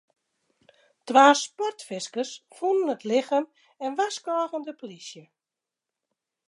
Twa sportfiskers fûnen it lichem en warskôgen de polysje.